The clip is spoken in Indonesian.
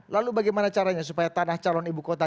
lalu bagaimana caranya supaya tanah calon ibu kota